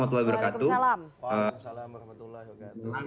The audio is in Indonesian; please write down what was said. waalaikumsalam wr wb